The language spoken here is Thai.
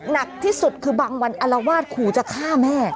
หนักที่สุดคือบางวันอารวาสขู่จะฆ่าแม่